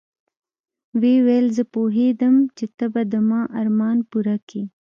ويې ويل زه پوهېدم چې ته به د ما ارمان پوره کيې.